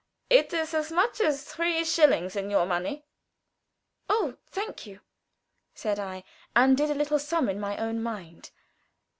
"It is as much as three shillings in your money." "Oh, thank you," said I, and did a little sum in my own mind.